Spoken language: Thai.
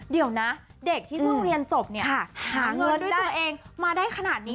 เดี๋ยวนะเด็กที่เพิ่งเรียนจบเนี่ยหาเงินด้วยตัวเองมาได้ขนาดนี้